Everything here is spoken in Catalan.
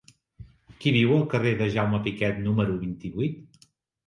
Qui viu al carrer de Jaume Piquet número vint-i-vuit?